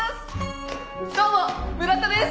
どうも村田です！